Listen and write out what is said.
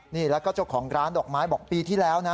นี่แล้วก็เจ้าของร้านดอกไม้บอกปีที่แล้วนะ